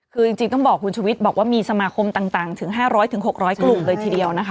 คือจริงต้องบอกคุณชุวิตบอกว่ามีสมาคมต่างถึง๕๐๐๖๐๐กลุ่มเลยทีเดียวนะคะ